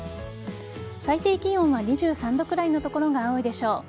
最低気温は２３度くらいの所が多いでしょう。